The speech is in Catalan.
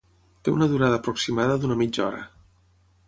Té una durada aproximada d'una mitja hora.